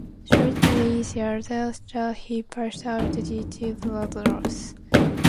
Shortly thereafter he passed out due to blood loss.